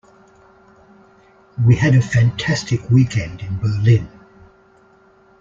We had a fantastic weekend in Berlin.